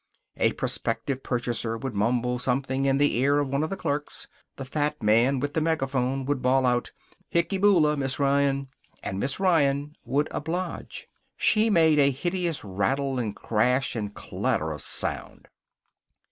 A prospective purchaser would mumble something in the ear of one of the clerks. The fat man with the megaphone would bawl out, "Hicky Boola, Miss Ryan!" And Miss Ryan would oblige. She made a hideous rattle and crash and clatter of sound.